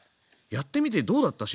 やってみてどうだった？